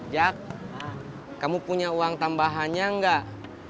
jak kamu punya uang tambahannya enggak